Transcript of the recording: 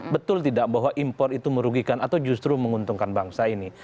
betul tidak bahwa impor itu merugikan atau justru menguntungkan bangsa ini